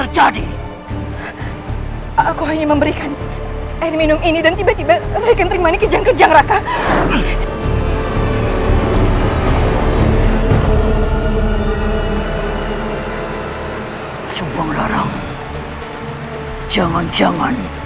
sampai jumpa di video selanjutnya